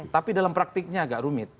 tapi dalam praktiknya agak rumit